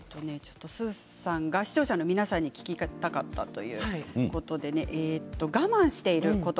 視聴者の皆さんに聞きたかったということで我慢していること